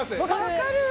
分かる！